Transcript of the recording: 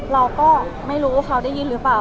เราก็ไม่รู้ว่าเขาได้ยินหรือเปล่า